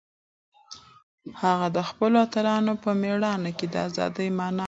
هغه د خپلو اتلانو په مېړانه کې د ازادۍ مانا موندله.